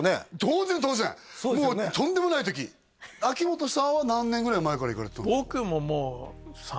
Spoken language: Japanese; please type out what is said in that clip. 当然当然もうとんでもない時秋元さんは何年ぐらい前から行かれてたんですか？